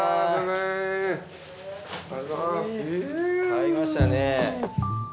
買いましたね。